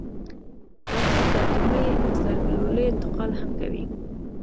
راکټ د اټومي سرګلولې انتقال هم کوي